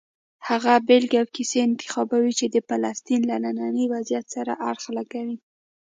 هغه بېلګې او کیسې انتخابوي چې د فلسطین له ننني وضعیت سره اړخ لګوي.